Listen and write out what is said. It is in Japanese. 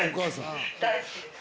大好きです。